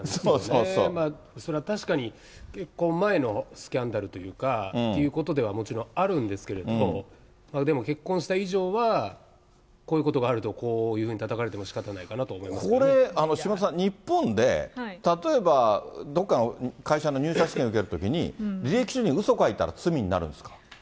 それは確かに結婚前のスキャンダルといいますか、ということではもちろんあるんですけれども、でも結婚した以上は、こういうことがあると、こういうふうにたたかれてもしかたないかこれ、島田さん、日本で、例えば、どっかの会社の入社試験を受けるときに、履歴書にうそ書いたら、罪になるんですか？